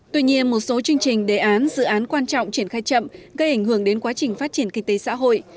tuy nhiên một số chương trình đề án dự án quan trọng triển khai chậm gây ảnh hưởng đến quá trình phát triển kinh tế xã hội